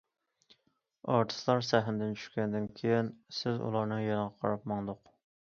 ئارتىسلار سەھنىدىن چۈشكەندىن كېيىن بىز ئۇلارنىڭ يېنىغا قاراپ ماڭدۇق.